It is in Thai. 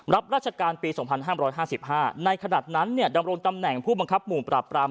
รับราชการปี๒๕๕๕ในขณะนั้นดำรงตำแหน่งผู้บังคับหมู่ปราบปราม